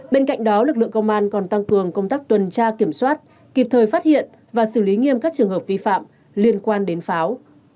bên cạnh đó lực lượng công an còn tăng cường công tác tuần tra kiểm soát kịp thời phát hiện và xử lý nghiêm các trường hợp vi phạm liên quan đến pháo